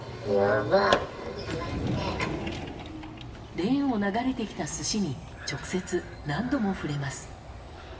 レーンを流れてきた寿司に直接、何度も触れます。